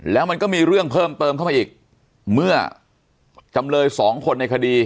แล้วมันก็มีเรื่องเพิ่มเติมเข้ามาอีกเมื่อจำเลยสองคนในคดี